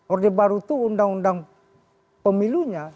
orde baru itu undang undang pemilunya